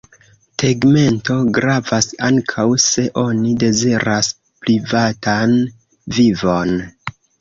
Tegmento gravas ankaŭ se oni deziras privatan vivon.